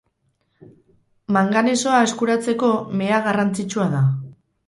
Manganesoa eskuratzeko mea garrantzitsua da.